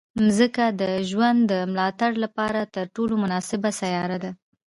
مځکه د ژوند د ملاتړ لپاره تر ټولو مناسبه سیاره ده.